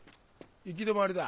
行き止まりだ。